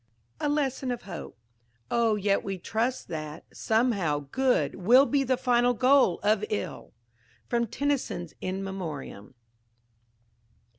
A LESSON OF HOPE "Oh, yet we trust that, somehow, good Will be the final goal of ill!" From TENNYSON'S "In Memoriam."